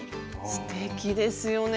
すてきですよね。